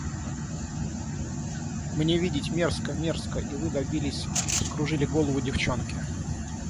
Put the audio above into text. Мне видеть мерзко, мерзко, и вы добились, вскружили голову девчонке.